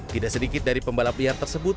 tidak sedikit dari pembalap liar tersebut